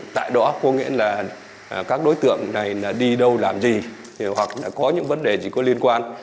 tại đó có nghĩa là các đối tượng này đi đâu làm gì hoặc có những vấn đề gì có liên quan